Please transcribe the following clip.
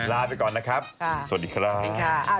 ลาไปก่อนนะครับสวัสดีครับ